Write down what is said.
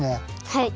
はい。